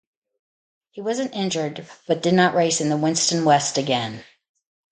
He wasn't injured, but did not race in the Winston West again.